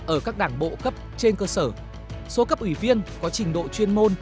ở các đảng bộ cấp trên cơ sở số cấp ủy viên có trình độ chuyên môn